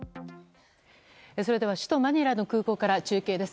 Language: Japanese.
それでは首都マニラの空港から中継です。